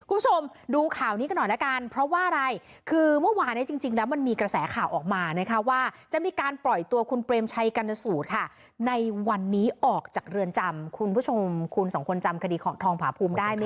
คุณผู้ชมดูข่าวนี้กันหน่อยละกันเพราะว่าอะไรคือเมื่อวานเนี่ยจริงแล้วมันมีกระแสข่าวออกมานะคะว่าจะมีการปล่อยตัวคุณเปรมชัยกรณสูตรค่ะในวันนี้ออกจากเรือนจำคุณผู้ชมคุณสองคนจำคดีของทองผาภูมิได้ไหม